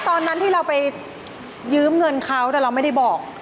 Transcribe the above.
ตอนนั้นที่เราไปยืมเงินเขาแต่เราไม่ได้บอก